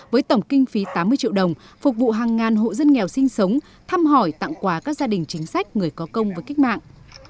với tổng kinh phí tám mươi triệu đồng phục vụ hàng ngàn hộ dân nghèo sinh sống thăm hỏi tặng quà các gia đình chính sách người có công với cách mạng